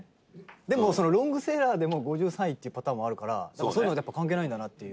でも、ロングセラーでも５３位っていうパターンもあるからそういうのってやっぱ関係ないんだなっていう。